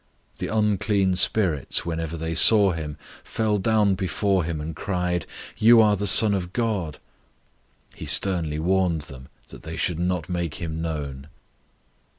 003:011 The unclean spirits, whenever they saw him, fell down before him, and cried, "You are the Son of God!" 003:012 He sternly warned them that they should not make him known.